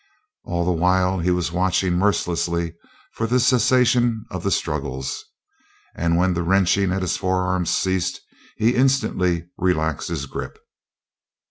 All the while he was watching mercilessly for the cessation of the struggles. And when the wrenching at his forearms ceased he instantly relaxed his grip.